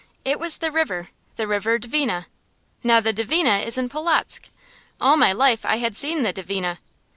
It was the river the river Dvina. Now the Dvina is in Polotzk. All my life I had seen the Dvina.